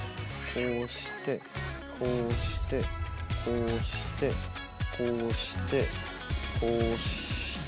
こうしてこうしてこうしてこうしてこうした。